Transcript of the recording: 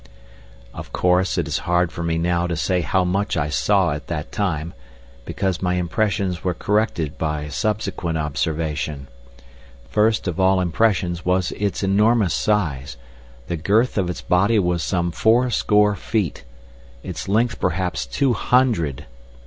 Of course it is hard for me now to say how much I saw at that time, because my impressions were corrected by subsequent observation. First of all impressions was its enormous size; the girth of its body was some fourscore feet, its length perhaps two hundred.